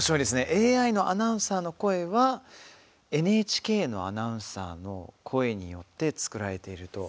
ＡＩのアナウンサーの声はＮＨＫのアナウンサーの声によって作られていると。